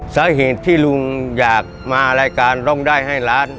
สาเหตุที่ลุงอยากมารายการร้องได้ให้ล้าน